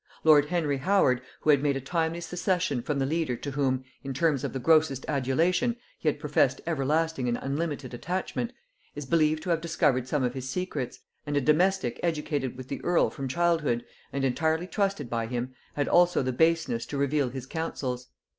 Lord Henry Howard, who had made a timely secession from the leader to whom, in terms of the grossest adulation, he had professed everlasting and unlimited attachment, is believed to have discovered some of his secrets; and a domestic educated with the earl from childhood, and entirely trusted by him, had also the baseness to reveal his counsels.